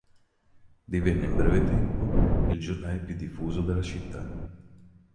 Divenne in breve tempo il giornale più diffuso della città.